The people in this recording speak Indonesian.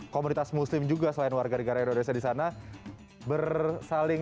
komunitas muslim juga selain warga negara indonesia di sana bersaling